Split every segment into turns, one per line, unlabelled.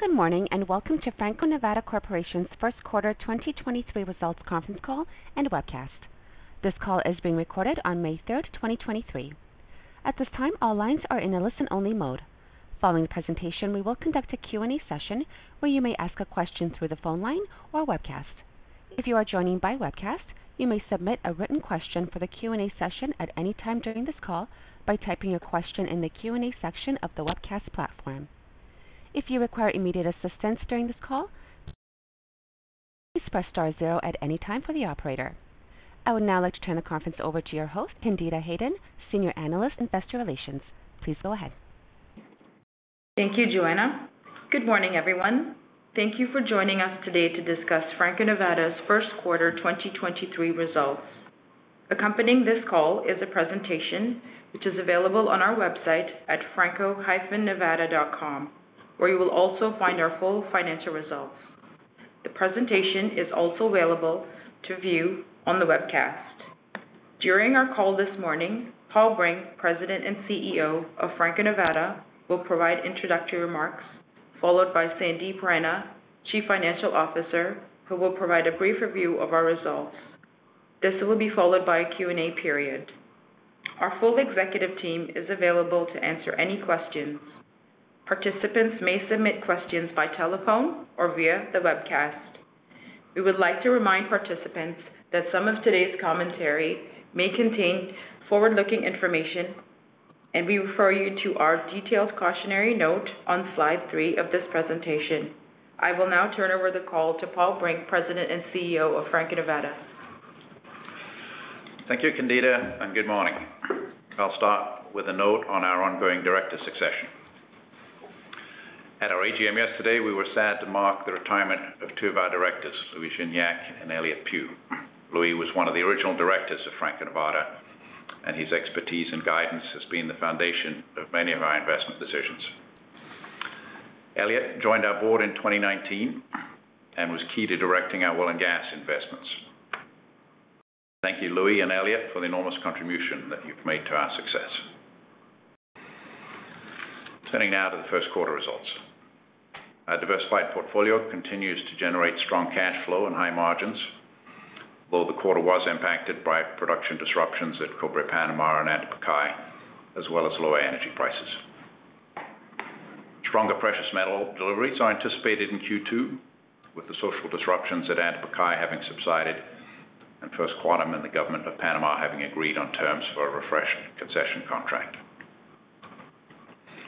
Good morning, welcome to Franco-Nevada Corporation's Q1 2023 results conference call and webcast. This call is being recorded on May 3rd, 2023. At this time, all lines are in a listen only mode. Following the presentation, we will conduct a Q&A session where you may ask a question through the phone line or webcast. If you are joining by webcast, you may submit a written question for the Q&A session at any time during this call by typing your question in the Q&A section of the webcast platform. If you require immediate assistance during this call, please press star zero at any time for the operator. I would now like to turn the conference over to your host, Candida Hayden, Senior Analyst, Investor Relations. Please go ahead.
Thank you, Joanna. Good morning, everyone. Thank you for joining us today to discuss Franco-Nevada's Q1 2023 results. Accompanying this call is a presentation which is available on our website at franco-nevada.com, where you will also find our full financial results. The presentation is also available to view on the webcast. During our call this morning, Paul Brink, President and CEO of Franco-Nevada, will provide introductory remarks, followed by Sandip Rana, Chief Financial Officer, who will provide a brief review of our results. This will be followed by a Q&A period. Our full executive team is available to answer any questions. Participants may submit questions by telephone or via the webcast. We would like to remind participants that some of today's commentary may contain forward-looking information. We refer you to our detailed cautionary note on slide three of this presentation. I will now turn over the call to Paul Brink, President and CEO of Franco-Nevada.
Thank you, Candida, and good morning. I'll start with a note on our ongoing director succession. At our AGM yesterday, we were sad to mark the retirement of two of our directors, Louis Gignac and Elliott Pew. Louis was one of the original directors of Franco-Nevada, and his expertise and guidance has been the foundation of many of our investment decisions. Elliott joined our board in 2019 and was key to directing our oil and gas investments. Thank you, Louis and Elliott, for the enormous contribution that you've made to our success. Turning now to the Q1 results. Our diversified portfolio continues to generate strong cash flow and high margins, although the quarter was impacted by production disruptions at Cobre Panamá and Antamina, as well as lower energy prices. Stronger precious metal deliveries are anticipated in Q2, with the social disruptions at Antamina having subsided and First Quantum and the government of Panama having agreed on terms for a refreshed concession contract.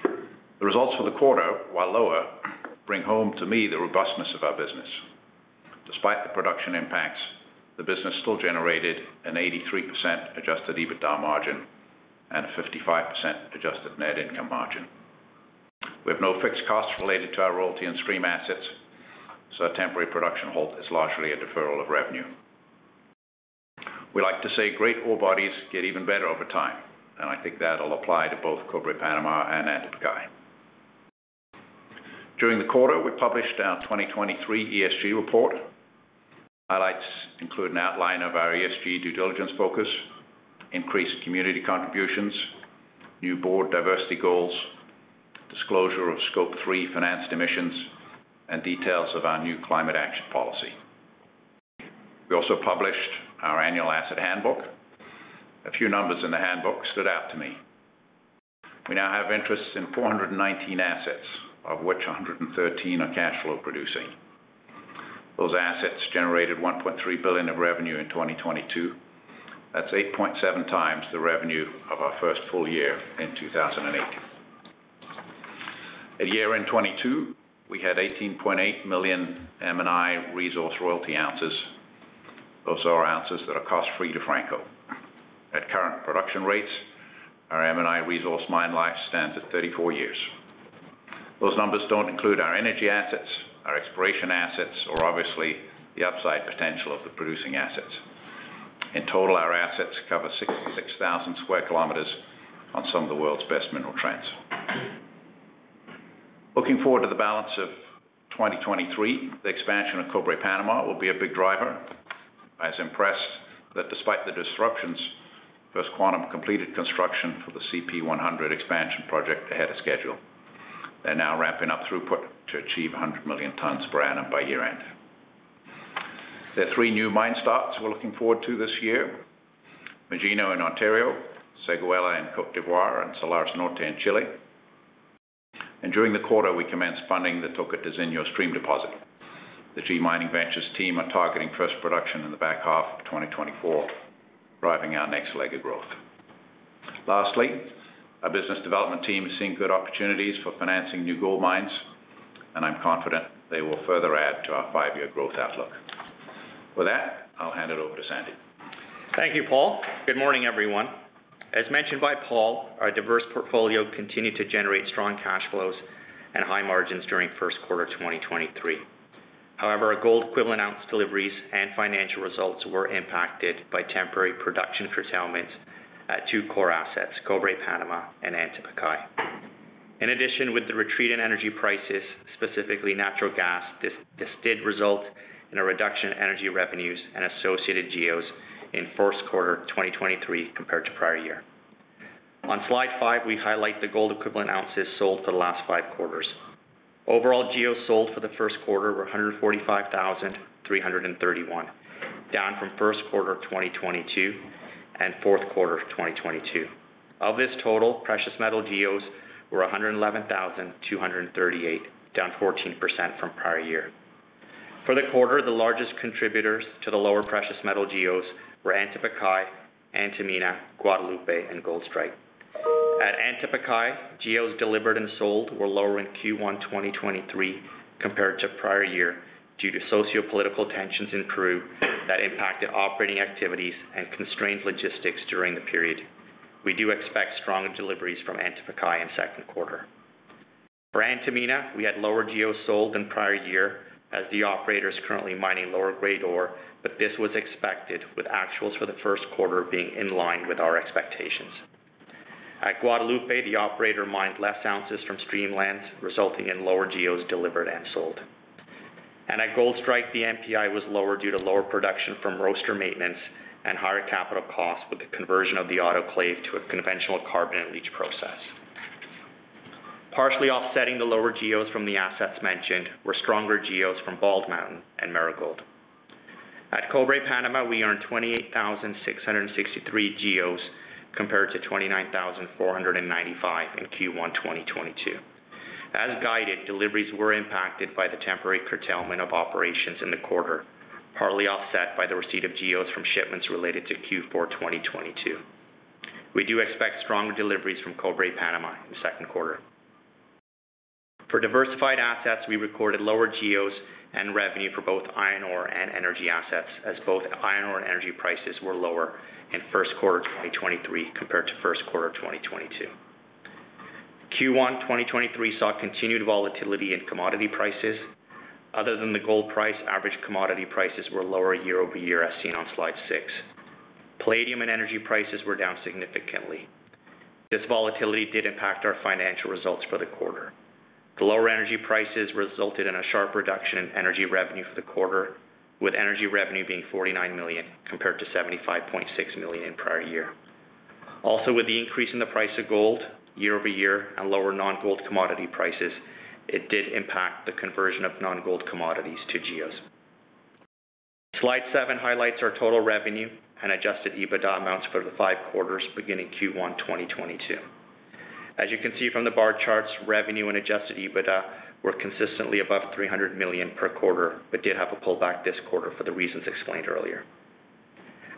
The results for the quarter, while lower, bring home to me the robustness of our business. Despite the production impacts, the business still generated an 83% adjusted EBITDA margin and a 55% adjusted net income margin. We have no fixed costs related to our royalty and stream assets, so a temporary production halt is largely a deferral of revenue. We like to say great ore bodies get even better over time, and I think that'll apply to both Cobre Panamá and Antamina. During the quarter, we published our 2023 ESG report. Highlights include an outline of our ESG due diligence focus, increased community contributions, new board diversity goals, disclosure of Scope thre financed emissions, and details of our new climate action policy. We also published our annual asset handbook. A few numbers in the handbook stood out to me. We now have interest in 419 assets, of which 113 are cash flow producing. Those assets generated $1.3 billion of revenue in 2022. That's 8.7x the revenue of our first full year in 2008. At year-end 2022, we had 18.8 million M&I resource royalty ounces. Those are ounces that are cost-free to Franco. At current production rates, our M&I resource mine life stands at 34 years. Those numbers don't include our energy assets, our exploration assets, or obviously the upside potential of the producing assets. In total, our assets cover 66,000 square kilometers on some of the world's best mineral trends. Looking forward to the balance of 2023, the expansion of Cobre Panamá will be a big driver. I was impressed that despite the disruptions, First Quantum completed construction for the CP100 expansion project ahead of schedule. They're now ramping up throughput to achieve 100 million tons per annum by year-end. There are three new mine starts we're looking forward to this year. Magino in Ontario, Séguéla in Côte d'Ivoire, and Salares Norte in Chile. During the quarter, we commenced funding the Tocantinzinho stream deposit. The G mining Ventures team are targeting first production in the back half of 2024, driving our next leg of growth. Our business development team is seeing good opportunities for financing new gold mines, and I'm confident they will further add to our five-year growth outlook. With that, I'll hand it over to Sandip.
Thank you, Paul. Good morning, everyone. As mentioned by Paul, our diverse portfolio continued to generate strong cash flows and high margins during first quarter 2023. Our gold equivalent ounce deliveries and financial results were impacted by temporary production curtailment at two core assets, Cobre Panamá and Antamina. With the retreat in energy prices, specifically natural gas, this did result in a reduction in energy revenues and associated GEOs in Q1 2023 compared to prior year. On slide five, we highlight the Gold Equivalent Ounces sold for the last five quarters. Overall, GEOs sold for the Q1 were 145,331, down from Q1 of 2022 and Q4 of 2022. Of this total, precious metal GEOs were 111,238, down 14% from prior year. For the quarter, the largest contributors to the lower precious metal GEOs were Antapaccay, Antamina, Guadalupe, and Goldstrike. At Antapaccay, GEOs delivered and sold were lower in Q1 2023 compared to prior year, due to sociopolitical tensions in Peru that impacted operating activities and constrained logistics during the period. We do expect strong deliveries from Antapaccay in Q2. For Antamina, we had lower GEOs sold than prior year as the operator is currently mining lower-grade ore, but this was expected, with actuals for the first quarter being in line with our expectations. At Guadalupe, the operator mined less ounces from stream lands, resulting in lower GEOs delivered and sold. At Goldstrike, the NPI was lower due to lower production from roaster maintenance and higher capital costs, with the conversion of the autoclave to a conventional carbon-in-leach process. Partially offsetting the lower GEOs from the assets mentioned were stronger GEOs from Bald Mountain and Marigold. At Cobre Panamá, we earned 28,663 GEOs compared to 29,495 in Q1 2022. As guided, deliveries were impacted by the temporary curtailment of operations in the quarter, partly offset by the receipt of GEOs from shipments related to Q4 2022. We do expect strong deliveries from Cobre Panamá in the second quarter. For diversified assets, we recorded lower GEOs and revenue for both iron ore and energy assets, as both iron ore and energy prices were lower in Q1 2023 compared to Q1 of 2022. Q1 2023 saw continued volatility in commodity prices. Other than the gold price, average commodity prices were lower year-over-year, as seen on slide six. Palladium and energy prices were down significantly. This volatility did impact our financial results for the quarter. The lower energy prices resulted in a sharp reduction in energy revenue for the quarter, with energy revenue being $49 million compared to $75.6 million in prior year. With the increase in the price of gold year-over-year and lower non-gold commodity prices, it did impact the conversion of non-gold commodities to GEOs. Slide seven highlights our total revenue and adjusted EBITDA amounts for the five quarters, beginning Q1, 2022. As you can see from the bar charts, revenue and adjusted EBITDA were consistently above $300 million per quarter, but did have a pullback this quarter for the reasons explained earlier.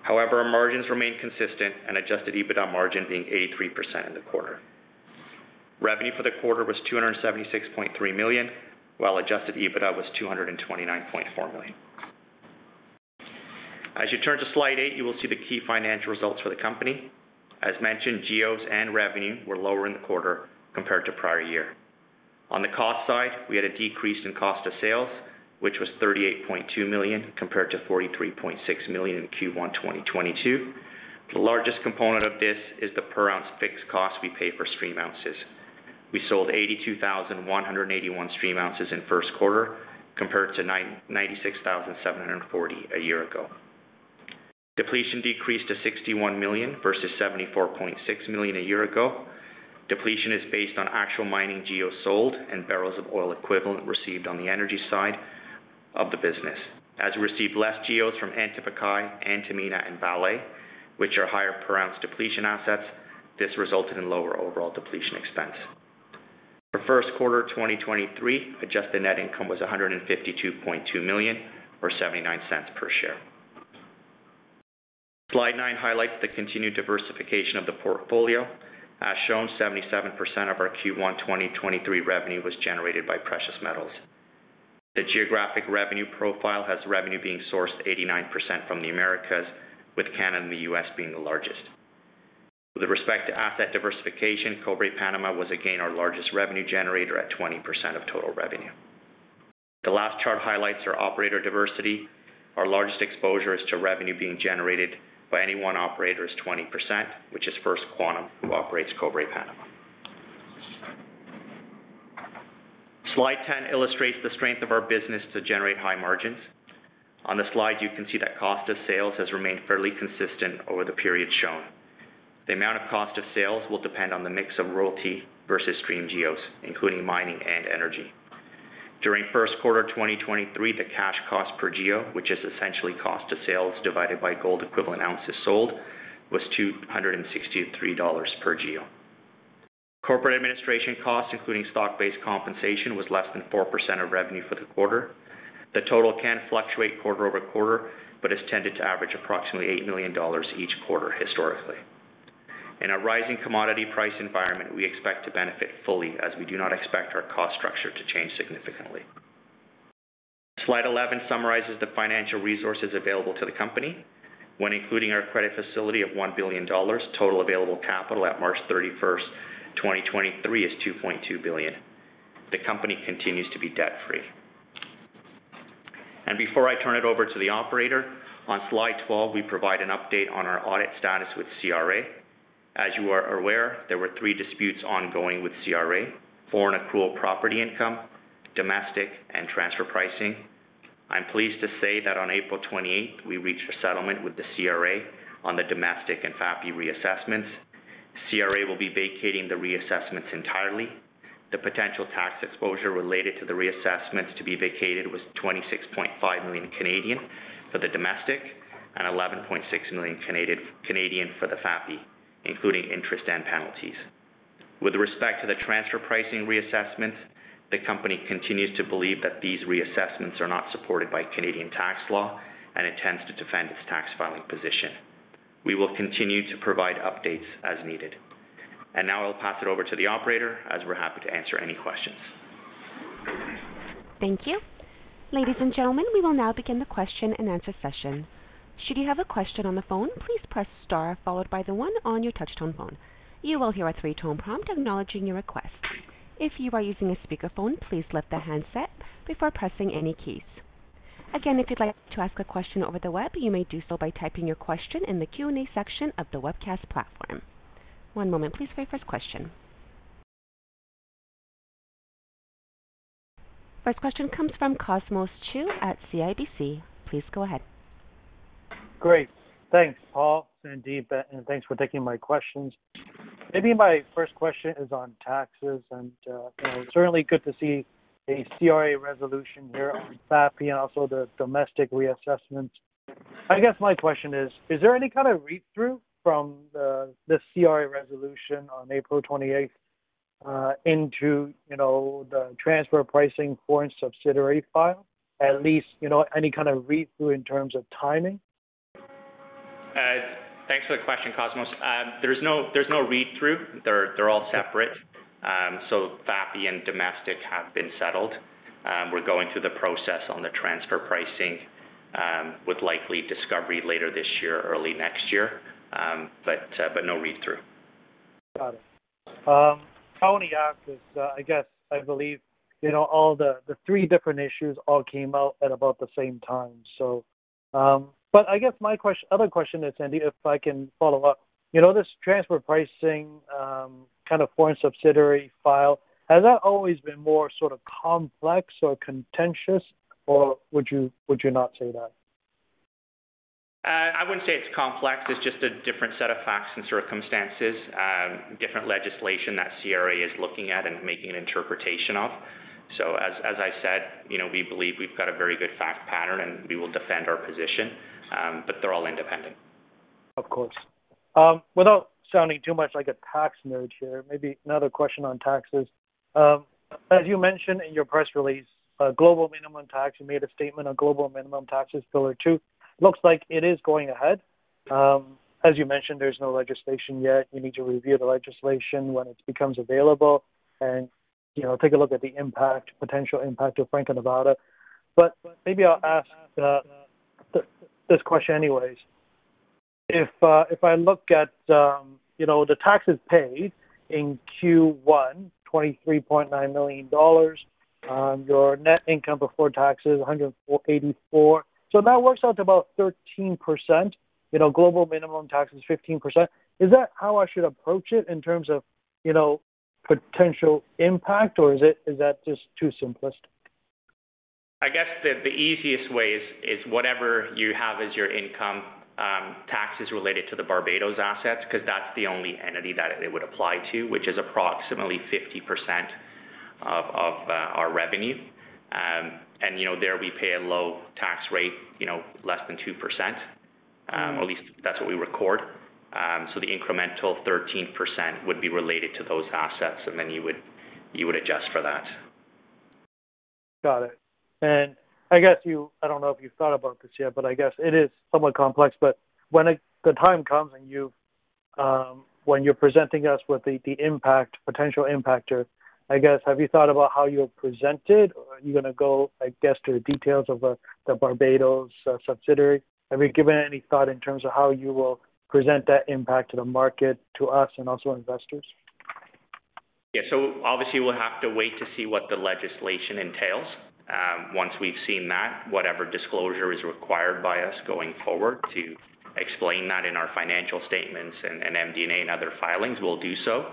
However, our margins remained consistent and adjusted EBITDA margin being 83% in the quarter. Revenue for the quarter was $276.3 million, while adjusted EBITDA was $229.4 million. As you turn to slide eight, you will see the key financial results for the company. As mentioned, GEOs and revenue were lower in the quarter compared to prior year. On the cost side, we had a decrease in cost of sales, which was $38.2 million compared to $43.6 million in Q1 2022. The largest component of this is the per ounce fixed cost we pay for stream ounces. We sold 82,181 stream ounces in Q1 compared to 96,740 a year ago. Depletion decreased to $61 million versus $74.6 million a year ago. Depletion is based on actual mining GEOs sold and barrels of oil equivalent received on the energy side of the business. As we received less GEOs from Antapaccay, Antamina and Vale, which are higher per ounce depletion assets, this resulted in lower overall depletion expense. For Q1 2023, adjusted net income was $152.2 million or $0.79 per share. Slide nine highlights the continued diversification of the portfolio. As shown, 77% of our Q1 2023 revenue was generated by precious metals. The geographic revenue profile has revenue being sourced 89% from the Americas, with Canada and the U.S. being the largest. With respect to asset diversification, Cobre Panamá was again our largest revenue generator at 20% of total revenue. The last chart highlights our operator diversity. Our largest exposure is to revenue being generated by any one operator is 20%, which is First Quantum, who operates Cobre Panamá. Slide 10 illustrates the strength of our business to generate high margins. On the slide, you can see that cost of sales has remained fairly consistent over the period shown. The amount of cost of sales will depend on the mix of royalty versus stream GEOs, including mining and energy. During first quarter 2023, the cash cost per GEO, which is essentially cost of sales divided by gold equivalent ounces sold, was $263 per GEO. Corporate administration costs, including stock-based compensation, was less than 4% of revenue for the quarter. The total can fluctuate quarter-over-quarter, but has tended to average approximately $8 million each quarter historically. In a rising commodity price environment, we expect to benefit fully as we do not expect our cost structure to change significantly. Slide 11 summarizes the financial resources available to the company. When including our credit facility of $1 billion, total available capital at March 31st, 2023 is $2.2 billion. The company continues to be debt-free. Before I turn it over to the operator, on slide 12, we provide an update on our audit status with CRA. As you are aware, there were three disputes ongoing with CRA: foreign accrual property income, domestic, and transfer pricing. I'm pleased to say that on April 28th, we reached a settlement with the CRA on the domestic and FAPI reassessments. CRA will be vacating the reassessments entirely. The potential tax exposure related to the reassessments to be vacated was 26.5 million for the domestic and 11.6 million for the FAPI, including interest and penalties. With respect to the transfer pricing reassessments, the company continues to believe that these reassessments are not supported by Canadian tax law, and intends to defend its tax filing position. We will continue to provide updates as needed. Now I'll pass it over to the operator, as we're happy to answer any questions.
Thank you. Ladies and gentlemen, we will now begin the question-and-answer session. Should you have a question on the phone, please press star followed by the one on your touchtone phone. You will hear a three-tone prompt acknowledging your request. If you are using a speakerphone, please lift the handset before pressing any keys. Again, if you'd like to ask a question over the web, you may do so by typing your question in the Q&A section of the webcast platform. One moment please for your first question. First question comes from Cosmos Chiu at CIBC. Please go ahead.
Great. Thanks, Paul, Sandip, and thanks for taking my questions. Maybe my first question is on taxes and, you know, certainly good to see a CRA resolution here on FAPI and also the domestic reassessments. I guess my question is: Is there any kind of read-through from the, this CRA resolution on April 28th, into, you know, the transfer pricing foreign subsidiary file? At least, you know, any kind of read-through in terms of timing?
Thanks for the question, Cosmos. There's no read-through. They're all separate. FAPI and domestic have been settled. We're going through the process on the transfer pricing, with likely discovery later this year, early next year. No read-through.
Got it. I only ask 'cause, I guess I believe, you know, all the three different issues all came out at about the same time. I guess my other question is, Sandip, if I can follow up. You know, this transfer pricing, kind of foreign subsidiary file, has that always been more sort of complex or contentious, or would you, would you not say that?
I wouldn't say it's complex. It's just a different set of facts and circumstances, different legislation that CRA is looking at and making an interpretation of. As I said, you know, we believe we've got a very good fact pattern, and we will defend our position, but they're all independent.
Of course. Without sounding too much like a tax nerd here, maybe another question on taxes. As you mentioned in your press release, global minimum tax, you made a statement on global minimum taxes, Pillar Two. Looks like it is going ahead. As you mentioned, there's no legislation yet. You need to review the legislation when it becomes available and, you know, take a look at the impact, potential impact of Franco-Nevada. Maybe I'll ask this question anyways. If, if I look at, you know, the taxes paid in Q1, $23.9 million, your net income before taxes, 84. That works out to about 13%. You know, global minimum tax is 15%. Is that how I should approach it in terms of, you know, potential impact, or is that just too simplistic?
I guess the easiest way is whatever you have as your income, taxes related to the Barbados assets, 'cause that's the only entity that it would apply to, which is approximately 50% of our revenue. You know, there we pay a low tax rate, you know, less than 2%. At least that's what we record. The incremental 13% would be related to those assets, and then you would adjust for that.
Got it. I guess you I don't know if you've thought about this yet, but I guess it is somewhat complex. When the time comes and you, when you're presenting us with the impact, potential impact or... I guess, have you thought about how you'll present it, or are you gonna go, I guess, to the details of the Barbados subsidiary? Have you given any thought in terms of how you will present that impact to the market, to us and also investors?
Obviously we'll have to wait to see what the legislation entails. Once we've seen that, whatever disclosure is required by us going forward to explain that in our financial statements and MD&A and other filings, we'll do so.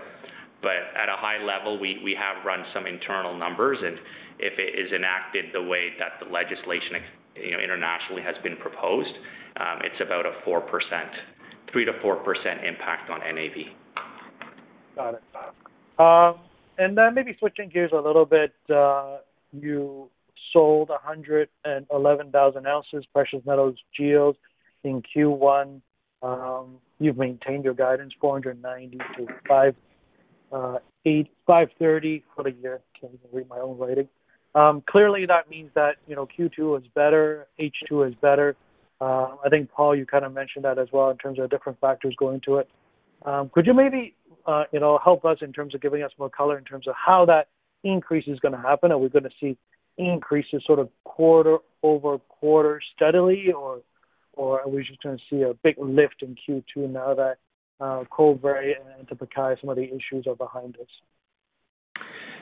But at a high level, we have run some internal numbers, and if it is enacted the way that the legislation you know, internationally has been proposed, it's about a 4%, 3%-4% impact on NAV.
Got it. Maybe switching gears a little bit, you sold 111,000 ounces Precious Metals GEOs in Q1. You've maintained your guidance, 490-530 for the year. Can't even read my own writing. Clearly that means that, you know, Q2 is better, H2 is better. I think, Paul, you kinda mentioned that as well in terms of different factors going to it. Could you maybe, you know, help us in terms of giving us more color in terms of how that increase is gonna happen? Are we gonna see increases sort of quarter-over-quarter steadily or are we just gonna see a big lift in Q2 now that Cobre and Toquepala, some of the issues are behind us?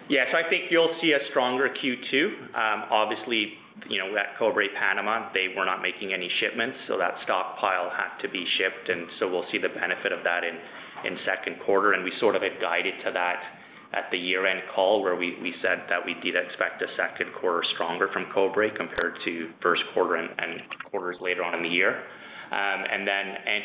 Yeah. I think you'll see a stronger Q2. obviously, you know, at Cobre Panamá, they were not making any shipments, so that stockpile had to be shipped, and so we'll see the benefit of that in second quarter, and we sort of had guided to that. At the year-end call where we said that we did expect a second quarter stronger from Cobre compared to first quarter and quarters later on in the year. Antamina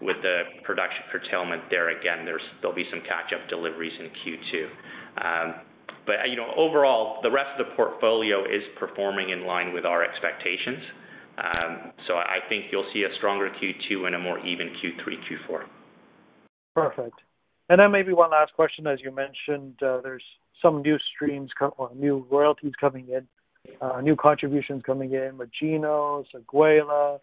with the production curtailment there again, there'll be some catch-up deliveries in Q2. you know, overall, the rest of the portfolio is performing in line with our expectations. I think you'll see a stronger Q2 and a more even Q3, Q4.
Perfect. Maybe one last question. As you mentioned, there's some new streams new royalties coming in, new contributions coming in with Magino, Séguéla,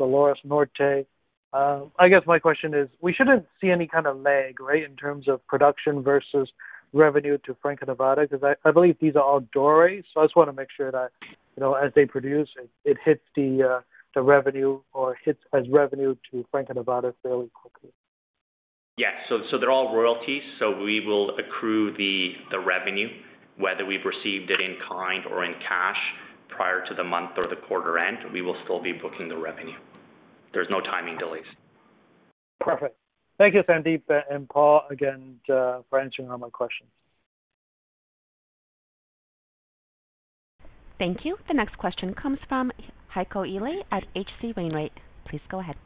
Salares Norte. I guess my question is, we shouldn't see any kind of lag, right, in terms of production versus revenue to Franco-Nevada because I believe these are all dorés. I just wanna make sure that, you know, as they produce, it hits the revenue or hits as revenue to Franco-Nevada fairly quickly.
Yes. They're all royalties. We will accrue the revenue, whether we've received it in kind or in cash prior to the month or the quarter end, we will still be booking the revenue. There's no timing delays.
Perfect. Thank you, Sandip and Paul, again, for answering all my questions.
Thank you. The next question comes from Heiko Ihle at H.C. Wainwright. Please go ahead.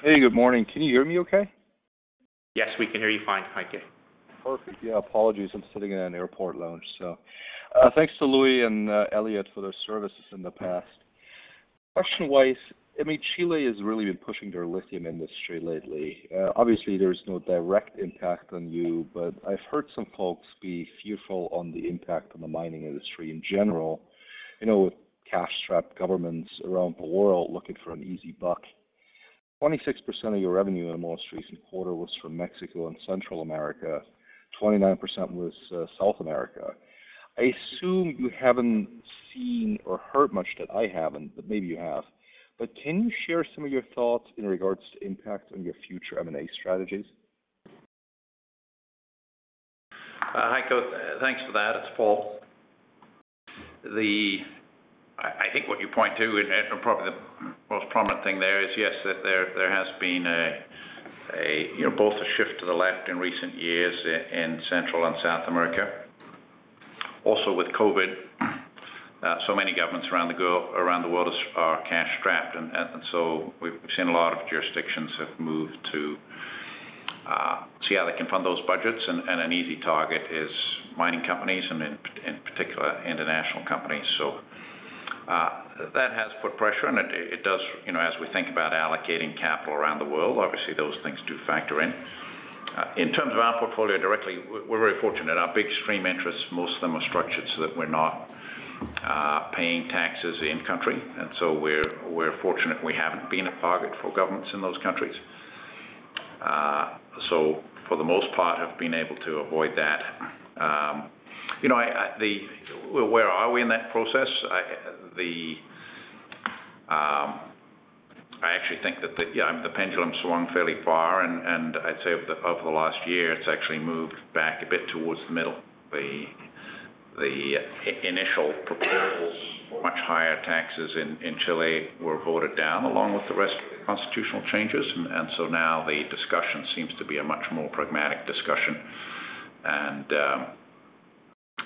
Hey, good morning. Can you hear me okay?
Yes, we can hear you fine, Heiko.
Perfect. Yeah, apologies. I'm sitting in an airport lounge. Thanks to Louis and Elliott for their services in the past. Question-wise, I mean, Chile has really been pushing their lithium industry lately. Obviously, there's no direct impact on you, but I've heard some folks be fearful on the impact on the mining industry in general, you know, with cash-strapped governments around the world looking for an easy buck. 26% of your revenue in the most recent quarter was from Mexico and Central America. 29% was South America. I assume you haven't seen or heard much that I haven't, but maybe you have. Can you share some of your thoughts in regards to impact on your future M&A strategies?
Heiko, thanks for that. It's Paul. I think what you point to, and probably the most prominent thing there is, yes, that there has been a, you know, both a shift to the left in recent years in Central and South America. Also, with COVID, so many governments around the world are cash-strapped. We've seen a lot of jurisdictions have moved to see how they can fund those budgets, and an easy target is mining companies, and in particular, international companies. That has put pressure, and it does... You know, as we think about allocating capital around the world, obviously, those things do factor in. In terms of our portfolio directly, we're very fortunate. Our big stream interests, most of them are structured so that we're not paying taxes in country. So we're fortunate we haven't been a target for governments in those countries. So for the most part, have been able to avoid that. You know, where are we in that process? I actually think that the pendulum swung fairly far, and I'd say over the, over the last year, it's actually moved back a bit towards the middle. The initial proposals for much higher taxes in Chile were voted down, along with the rest of the constitutional changes. So now the discussion seems to be a much more pragmatic discussion.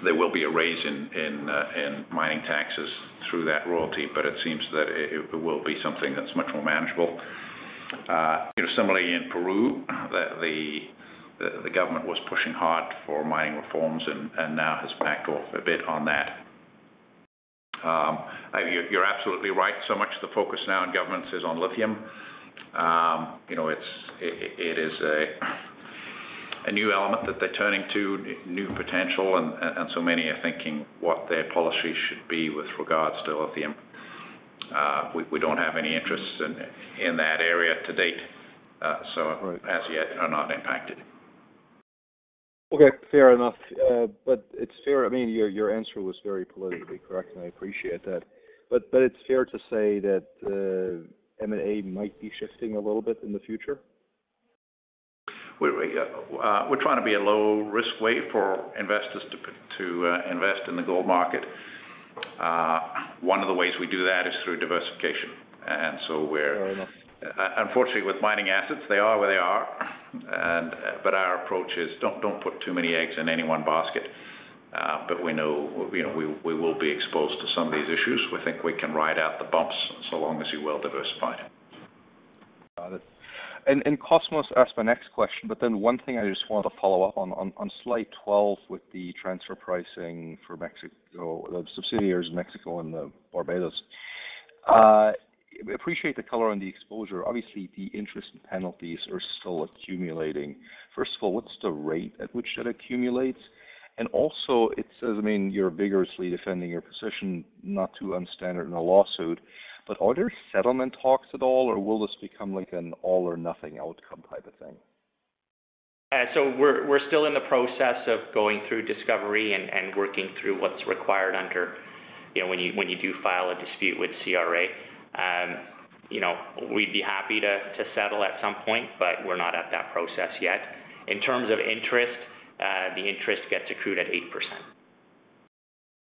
There will be a raise in mining taxes through that royalty, but it seems that it will be something that's much more manageable. You know, similarly in Peru, the government was pushing hard for mining reforms and now has backed off a bit on that. I mean, you're absolutely right. Much of the focus now in governments is on lithium. You know, it's, it is a new element that they're turning to, new potential, and so many are thinking what their policy should be with regards to lithium. We don't have any interests in that area to date.
Right.
As yet, are not impacted.
Okay, fair enough. I mean, your answer was very politically correct, and I appreciate that. It's fair to say that M&A might be shifting a little bit in the future?
We're trying to be a low-risk way for investors to invest in the gold market. One of the ways we do that is through diversification.
Fair enough.
Unfortunately, with mining assets, they are where they are. Our approach is don't put too many eggs in any one basket. We know, you know, we will be exposed to some of these issues. We think we can ride out the bumps so long as you're well-diversified.
Got it. Cosmos asked my next question, one thing I just wanted to follow up on slide 12 with the transfer pricing for Mexico, the subsidiaries in Mexico and Barbados. Appreciate the color on the exposure. Obviously, the interest and penalties are still accumulating. First of all, what's the rate at which that accumulates? Also, it says, I mean, you're vigorously defending your position, not too unstandard in a lawsuit. Are there settlement talks at all, or will this become like an all or nothing outcome type of thing?
We're still in the process of going through discovery and working through what's required under, you know, when you, when you do file a dispute with CRA. You know, we'd be happy to settle at some point, but we're not at that process yet. In terms of interest, the interest gets accrued at 8%.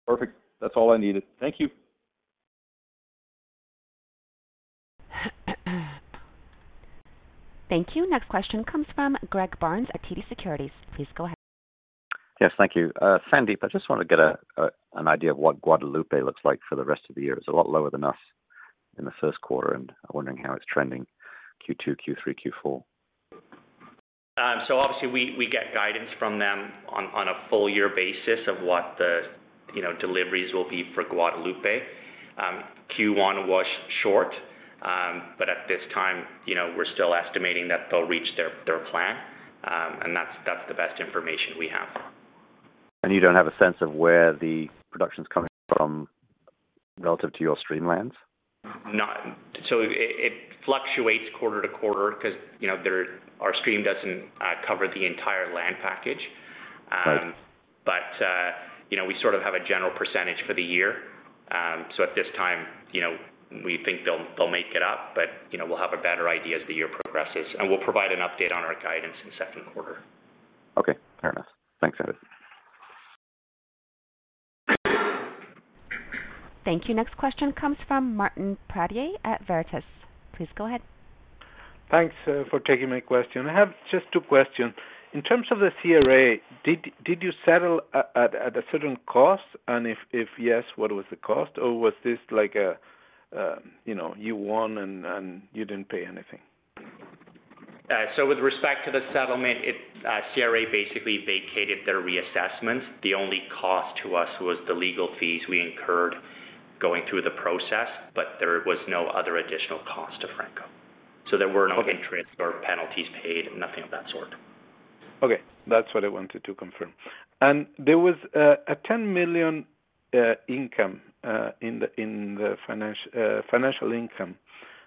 Perfect. That's all I needed. Thank you.
Thank you. Next question comes from Greg Barnes at TD Securities. Please go ahead.
Yes, thank you. Sandip, I just want to get an idea of what Guadalupe looks like for the rest of the year. It's a lot lower than us in the Q1, I'm wondering how it's trending Q2, Q3, Q4.
Obviously we get guidance from them on a full year basis of what the, you know, deliveries will be for Guadalupe. Q1 was short, but at this time, you know, we're still estimating that they'll reach their plan, and that's the best information we have.
You don't have a sense of where the production's coming from relative to your stream lands?
It fluctuates quarter to quarter because, you know, our stream doesn't cover the entire land package.
Right.
You know, we sort of have a general percentage for the year. At this time, you know, we think they'll make it up, but, you know, we'll have a better idea as the year progresses, we'll provide an update on our guidance in second quarter.
Okay, fair enough. Thanks, Sandip.
Thank you. Next question comes from Martin Pradier at Veritas. Please go ahead.
Thanks for taking my question. I have just two questions. In terms of the CRA, did you settle at a certain cost? If, if yes, what was the cost? Was this like a, you know, you won and you didn't pay anything?
With respect to the settlement, it CRA basically vacated their reassessments. The only cost to us was the legal fees we incurred going through the process, but there was no other additional cost to Franco.
Okay.
Interests or penalties paid, nothing of that sort.
Okay. That's what I wanted to confirm. There was a $10 million income in the financial income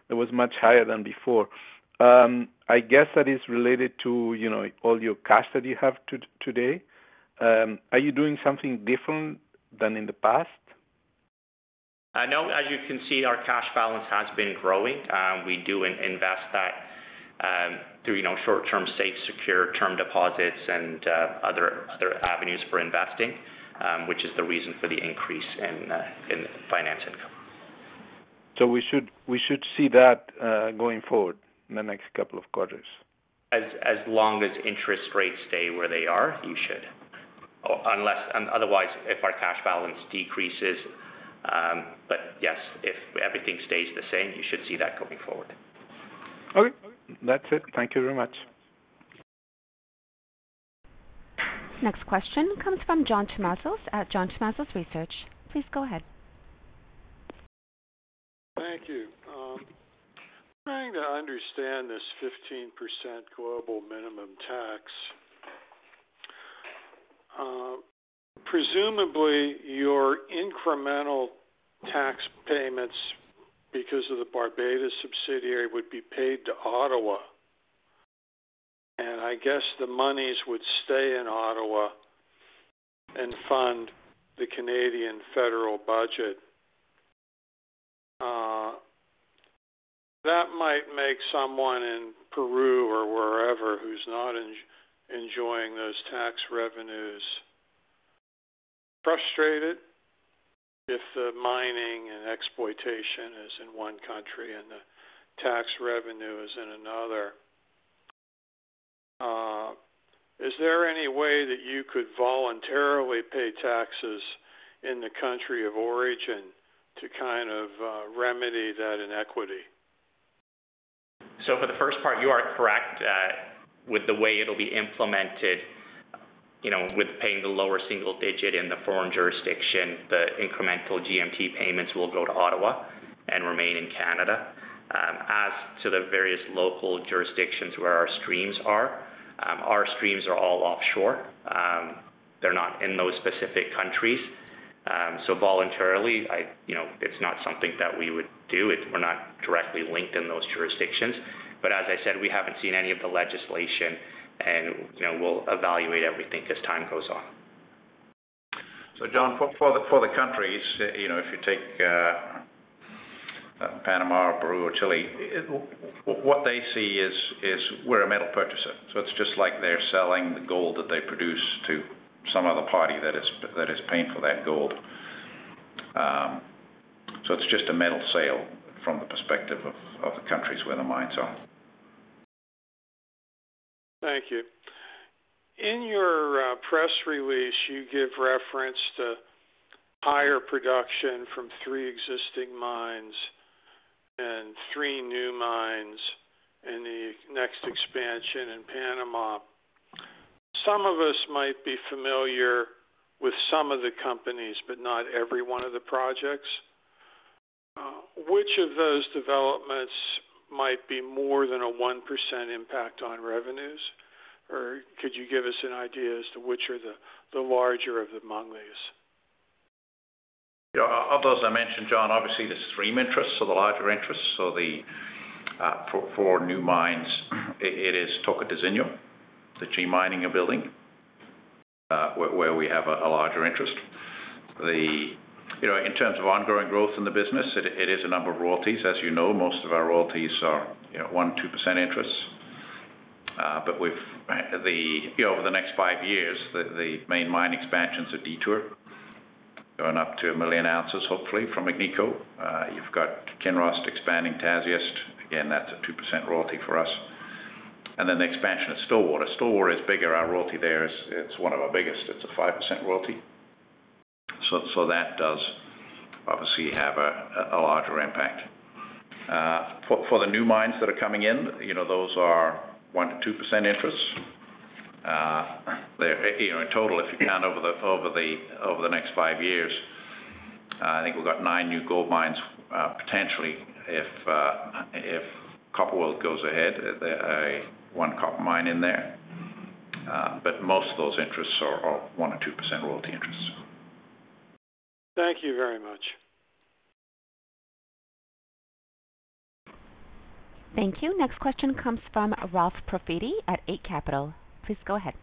that was much higher than before. I guess that is related to, you know, all your cash that you have today. Are you doing something different than in the past?
I know, as you can see, our cash balance has been growing. We do invest that, through, you know, short-term, safe, secure term deposits and other avenues for investing, which is the reason for the increase in finance income.
We should see that, going forward in the next couple of quarters.
As long as interest rates stay where they are, you should. Unless otherwise, if our cash balance decreases. Yes, if everything stays the same, you should see that going forward.
Okay. That's it. Thank you very much.
Next question comes from John Tumazos at John Tumazos Research. Please go ahead.
Thank you. Trying to understand this 15% global minimum tax. Presumably, your incremental tax payments because of the Barbados subsidiary would be paid to Ottawa. I guess the monies would stay in Ottawa and fund the Canadian federal budget. That might make someone in Peru or wherever who's not enjoying those tax revenues frustrated if the mining and exploitation is in one country and the tax revenue is in another. Is there any way that you could voluntarily pay taxes in the country of origin to kind of remedy that inequity?
For the first part, you are correct, with the way it'll be implemented, you know, with paying the lower single digit in the foreign jurisdiction, the incremental GMT payments will go to Ottawa and remain in Canada. As to the various local jurisdictions where our streams are, our streams are all offshore. They're not in those specific countries. Voluntarily, I, you know, it's not something that we would do. We're not directly linked in those jurisdictions. As I said, we haven't seen any of the legislation and, you know, we'll evaluate everything as time goes on.
John, for the countries, you know, if you take Panama or Peru or Chile, what they see is we're a metal purchaser, so it's just like they're selling the gold that they produce to some other party that is paying for that gold. It's just a metal sale from the perspective of the countries where the mines are.
Thank you. In your press release, you give reference to higher production from three existing mines and three new mines in the next expansion in Panama. Some of us might be familiar with some of the companies, but not every one of the projects. Which of those developments might be more than a 1% impact on revenues? Or could you give us an idea as to which are the larger of among these?
You know, of those I mentioned, John, obviously the stream interests or the larger interests or the for new mines, it is Tocantinzinho, the G Mining you're building, where we have a larger interest. You know, in terms of ongoing growth in the business, it is a number of royalties. As you know, most of our royalties are, you know, 1%, 2% interests.
The, you know, over the next five years, the main mine expansions of Detour going up to 1 million ounces, hopefully from Agnico. You've got Kinross expanding Tasiast. Again, that's a 2% royalty for us. Then the expansion of Stillwater. Stillwater is bigger. Our royalty there is, it's one of our biggest, it's a 5% royalty. That does obviously have a larger impact. For the new mines that are coming in, you know, those are 1%-2% interests. They're, you know, in total, if you can, over the next five years, I think we've got nine new gold mines, potentially, if Copper World goes ahead, one copper mine in there. Most of those interests are 1% or 2% royalty interests.
Thank you very much.
Thank you. Next question comes from Ralph Profiti at Eight Capital. Please go ahead.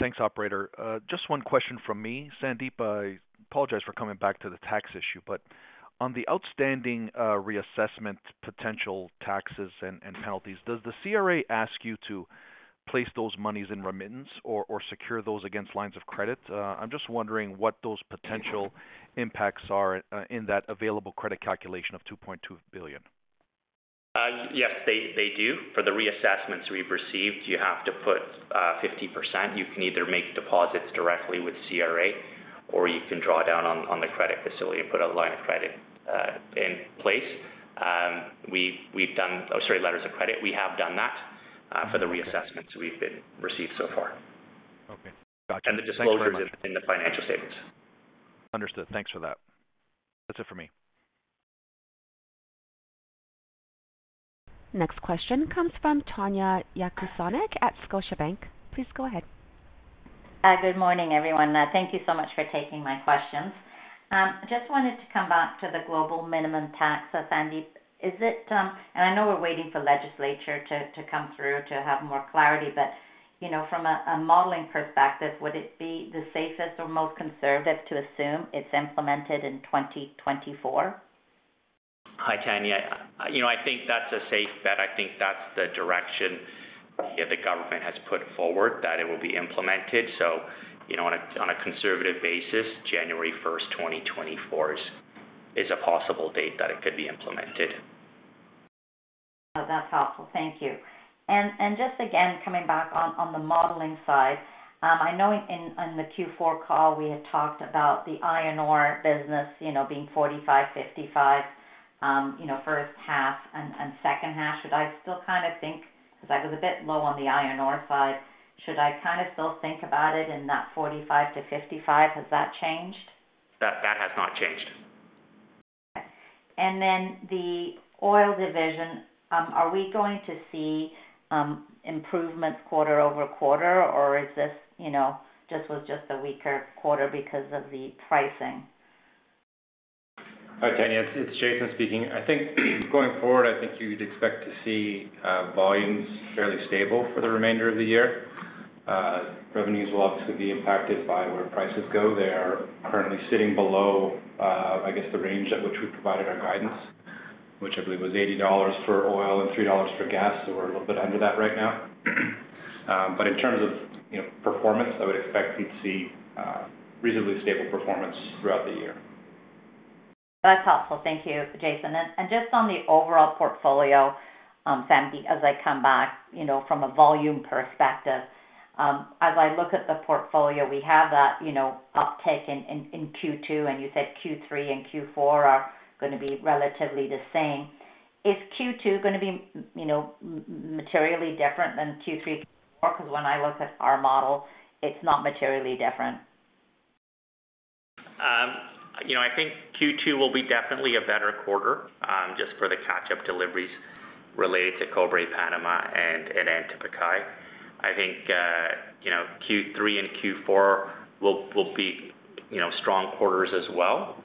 Thanks, operator. Just one question from me. Sandip, I apologize for coming back to the tax issue. On the outstanding, reassessment potential taxes and penalties, does the CRA ask you to place those monies in remittance or secure those against lines of credit? I'm just wondering what those potential impacts are in that available credit calculation of $2.2 billion.
Yes, they do. For the reassessments we've received, you have to put 50%. You can either make deposits directly with CRA, or you can draw down on the credit facility and put a line of credit in place. We've done... Oh, sorry, letters of credit. We have done that for the reassessments we've been received so far.
Okay. Got you. Thanks very much.
The disclosure's in the financial statements.
Understood. Thanks for that. That's it for me.
Next question comes from Tanya Jakusconek at Scotiabank. Please go ahead.
Good morning, everyone. Thank you so much for taking my questions. Just wanted to come back to the global minimum tax. Sandip, I know we're waiting for legislature to come through to have more clarity, but, you know, from a modeling perspective, would it be the safest or most conservative to assume it's implemented in 2024?
Hi, Tanya. You know, I think that's a safe bet. I think that's the direction the government has put forward, that it will be implemented. You know, on a conservative basis, January 1st, 2024 is a possible date that it could be implemented.
That's helpful. Thank you. Just again, coming back on the modeling side, I know in the Q4 call, we had talked about the iron ore business, you know, being 45, 55, you know, first half and second half. Should I still kinda think, because I was a bit low on the iron ore side, should I kinda still think about it in that 45-55? Has that changed?
That has not changed.
The oil division, are we going to see improvements quarter-over-quarter? Or is this, you know, just was just a weaker quarter because of the pricing?
Hi, Tanya. It's Jason speaking. I think going forward, I think you'd expect to see volumes fairly stable for the remainder of the year. Revenues will obviously be impacted by where prices go. They are currently sitting below, I guess, the range at which we provided our guidance, which I believe was $80 for oil and $3 for gas. We're a little bit under that right now. But in terms of, you know, performance, I would expect you to see reasonably stable performance throughout the year.
That's helpful. Thank you, Jason. Just on the overall portfolio, Sandip, as I come back, you know, from a volume perspective, as I look at the portfolio, we have that, you know, uptake in Q-two, and you said Q-three and Q-four are gonna be relatively the same. Is Q-two gonna be, you know, materially different than Q-three, Q-four? Because when I look at our model, it's not materially different.
You know, I think Q2 will be definitely a better quarter, just for the catch-up deliveries related to Cobre Panamá and Antamina. I think, you know, Q3 and Q4 will be, you know, strong quarters as well.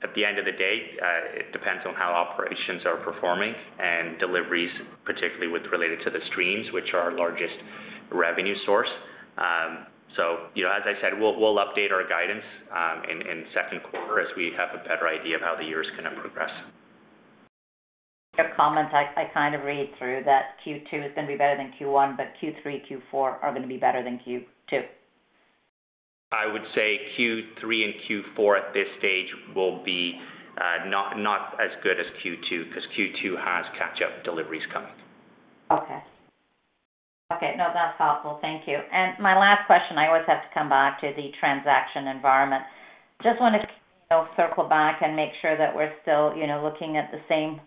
At the end of the day, it depends on how operations are performing and deliveries, particularly with related to the streams, which are our largest revenue source. So, you know, as I said, we'll update our guidance, in second quarter as we have a better idea of how the year's gonna progress.
Your comments, I kind of read through that Q2 is gonna be better than Q1, but Q3, Q4 are gonna be better than Q-two.
I would say Q3and Q4 at this stage will be not as good as Q2, 'cause Q2 has catch-up deliveries coming.
Okay. Okay. No, that's helpful. Thank you. My last question, I always have to come back to the transaction environment. Just wanted to, you know, circle back and make sure that we're still, you know, looking at the same,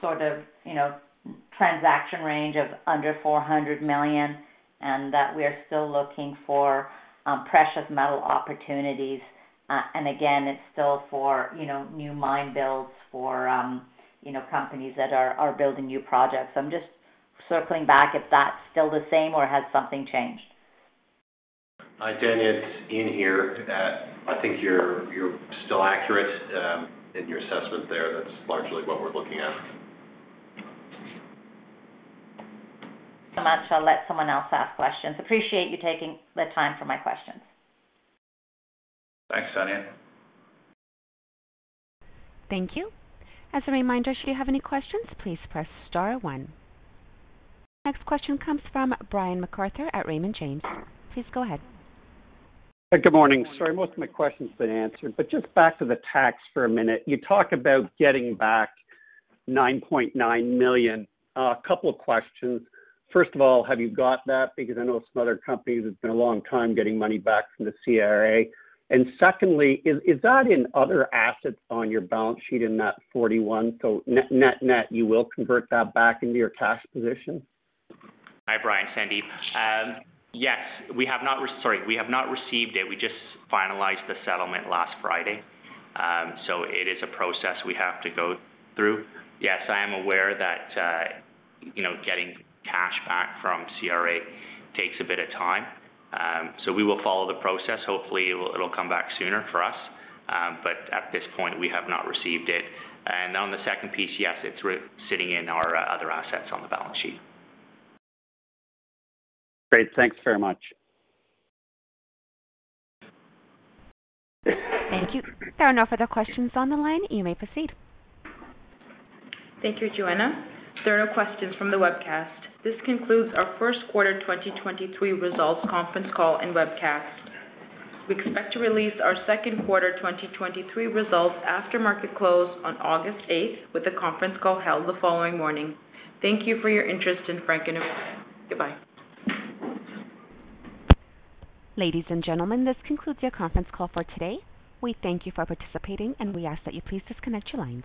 sort of, you know, transaction range of under $400 million, and that we're still looking for precious metal opportunities. Again, it's still for, you know, new mine builds for, you know, companies that are building new projects. I'm just circling back if that's still the same or has something changed?
Hi, Tanya. It's Ian here. I think you're still accurate in your assessment there. That's largely what we're looking at.
Much, I'll let someone else ask questions. Appreciate you taking the time for my questions.
Thanks, Tanya.
Thank you. As a reminder, should you have any questions, please press star one. Next question comes from Brian MacArthur at Raymond James. Please go ahead.
Good morning. Sorry, most of my questions have been answered, but just back to the tax for a minute. You talk about getting back $9.9 million. A couple of questions. First of all, have you got that? Because I know some other companies, it's been a long time getting money back from the CRA. Secondly, is that in other assets on your balance sheet in that 41? Net, net, you will convert that back into your cash position?
Hi, Brian. Sandip. Yes. We have not received it. We just finalized the settlement last Friday. It is a process we have to go through. Yes, I am aware that, you know, getting cash back from CRA takes a bit of time. We will follow the process. Hopefully, it'll come back sooner for us. At this point, we have not received it. On the second piece, yes, it's sitting in our other assets on the balance sheet.
Great. Thanks very much.
Thank you. There are no further questions on the line. You may proceed.
Thank you, Joanna. There are no questions from the webcast. This concludes our Q1 2023 results conference call and webcast. We expect to release our Q2 2023 results after market close on August 8th, with a conference call held the following morning. Thank you for your interest in Franco-Nevada. Goodbye.
Ladies and gentlemen, this concludes your conference call for today. We thank you for participating, and we ask that you please disconnect your lines.